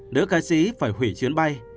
nữ ca sĩ phải hủy chuyến bay